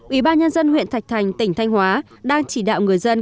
ủy ban nhân dân huyện thạch thành tỉnh thanh hóa đang chỉ đạo người dân